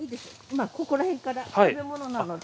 ここらへんから食べ物なので。